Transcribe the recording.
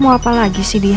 mau apa lagi sih dia